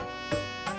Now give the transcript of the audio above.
ada apa be